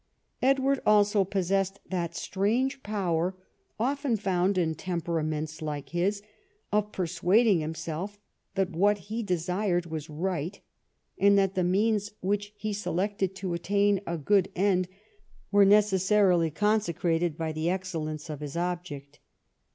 Edward also possessed that strange power, often found in tempera ments like his, of persuading himself that what he desired was right, and that the means which he selected to attain a good end were necessarily consecrated by the excellence of his object.